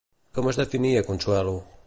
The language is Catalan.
Com es definia Consuelo?